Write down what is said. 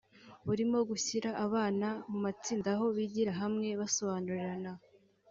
burimo gushyira abana mu matsinda aho bigira hamwe basobanurirana